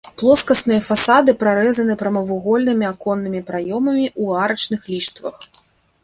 Плоскасныя фасады прарэзаны прамавугольнымі аконнымі праёмамі ў арачных ліштвах.